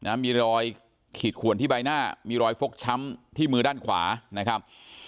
มีรอยขีดขวนที่ใบหน้ามีรอยฟกช้ำที่มือด้านขวานะครับ